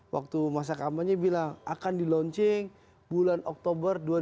waktu masa kampanye bilang akan di launching bulan oktober dua ribu dua puluh